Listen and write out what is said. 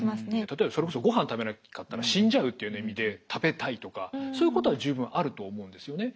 例えばそれこそごはん食べなかったら死んじゃうっていうような意味で食べたいとかそういうことは十分あると思うんですよね。